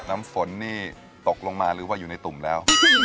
น้ำฝนนี่ตกลงมาหรือว่าอยู่ในตุ่มแล้ว